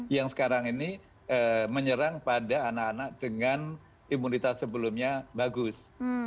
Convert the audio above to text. yang sekarang ini menyerang pada anak anak dengan imunitas sebelumnya bagus